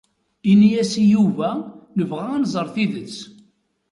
Ini-as i Yuba nebɣa ad nẓer tidet.